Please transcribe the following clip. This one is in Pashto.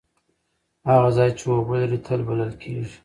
هغه ځای چې اوبه لري تل بلل کیږي.